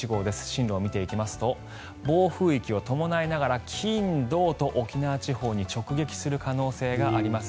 進路を見ていきますと暴風域を伴いながら金土と沖縄地方に直撃する可能性があります。